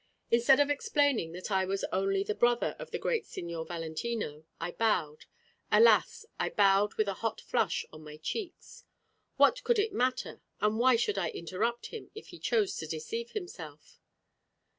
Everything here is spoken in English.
Instead of explaining that I was only the brother of the great Signor Valentino, I bowed, alas I bowed with a hot flush on my cheeks. What could it matter, and why should I interrupt him, if he chose to deceive himself?